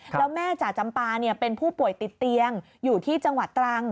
แล้วแม่จ่าจำปาเป็นผู้ป่วยติดเตียงอยู่ที่จังหวัดตรัง